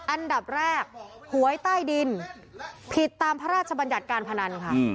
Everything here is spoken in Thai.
อันดับแรกหวยใต้ดินผิดตามพระราชบัญญัติการพนันค่ะ